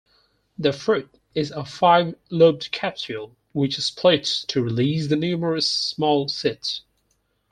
The fruit is a five-lobed capsule, which splits to release the numerous small seeds.